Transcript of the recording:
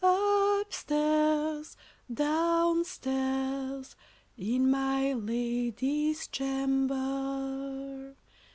Up stairs, down stairs, In my lady's chamber.